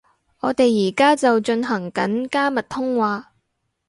我哋而家就進行緊加密通話